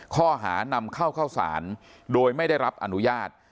ข้อหานำเข้าเข้าสารโดยไม่ได้รับอนุญาต